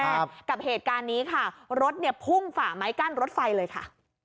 กับเหตุการณ์นี้ค่ะรถเนี่ยพุ่งฝ่าไม้กั้นรถไฟเลยค่ะ